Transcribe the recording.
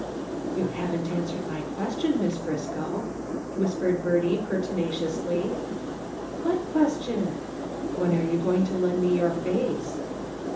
"You haven't answered my question, Miss Friscoe," whispered Bertie pertinaciously. "What question?" "When are you going to lend me your face?"